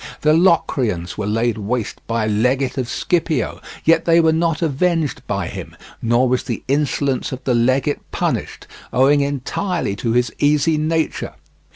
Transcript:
The Locrians were laid waste by a legate of Scipio, yet they were not avenged by him, nor was the insolence of the legate punished, owing entirely to his easy nature.